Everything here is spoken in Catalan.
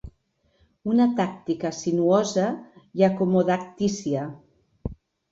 Una tàctica sinuosa i acomodatícia.